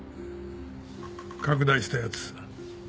拡大したやつ。